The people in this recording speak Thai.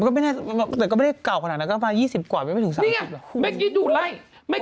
เขายุ่งยื่อ๒๐กว่าก็นั่นน่ะนางเพิ่ง๓๐ถูกต้องกันมั้ย